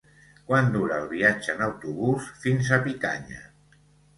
Quant dura el viatge en autobús fins a Picanya?